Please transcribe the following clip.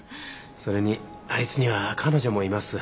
それにあいつには彼女もいます。